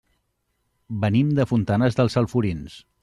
Venim de Fontanars dels Alforins.